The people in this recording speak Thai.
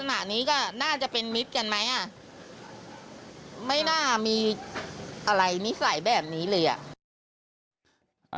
หมานี้ก็น่าจะเป็นมิตรกันไหมอ่ะไม่น่ามีอะไรนิสัยแบบนี้เลยอ่ะ